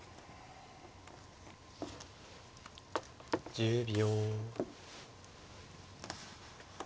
１０秒。